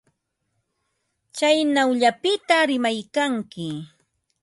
Tsaynawllapita rimaykanki.